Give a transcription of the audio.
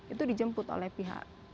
itu dijemput oleh pihak